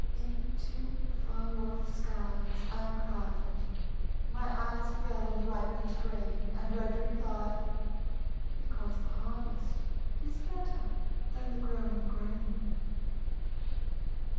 Into the far off skies I cried. My eyes fell on the ripened grain, And read reply: because the harvest Is better than the growing grain.